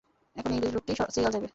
এখন এই ইংরেজ লোকটি সিরিয়াল চাইবে।